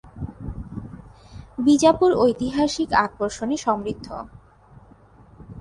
বিজাপুর ঐতিহাসিক আকর্ষণে সমৃদ্ধ।